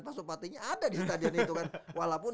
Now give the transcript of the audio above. pasok patinya ada di stadion itu kan walaupun